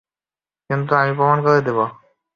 কিন্তু আমি প্রমাণ করে দিবো।